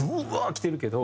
きてるけど。